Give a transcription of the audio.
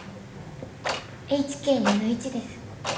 ＨＫ２−１です。